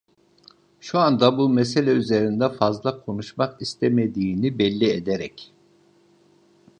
Şu anda bu mesele üzerinde fazla konuşmak istemediğini belli ederek: